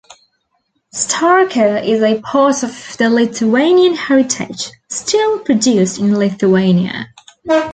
Starka is a part of the Lithuanian heritage, still produced in Lithuania.